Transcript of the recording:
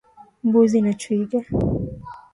Mbuzi na twiga